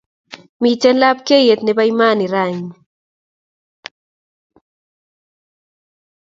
Miten lapkeiyet nebo Iman raini